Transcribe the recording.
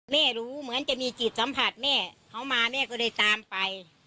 รู้เหมือนจะมีจิตสัมผัสแม่เขามาแม่ก็เลยตามไป